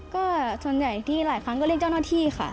ก็ส่วนใหญ่ที่หลายครั้งก็เรียกเจ้าหน้าที่ค่ะ